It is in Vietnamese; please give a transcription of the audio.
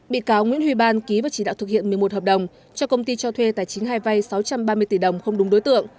bị cáo nguyễn huy ban ký và chỉ đạo thực hiện một mươi một hợp đồng cho công ty cho thuê tài chính hai vay sáu trăm ba mươi tỷ đồng không đúng đối tượng